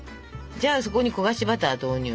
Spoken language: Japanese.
じゃあそこに焦がしバター投入。